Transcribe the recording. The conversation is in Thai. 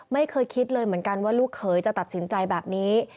ไม่เคยคิดเลยเหมือนกันว่าลูกเขยจะตัดสินใจแบบนี้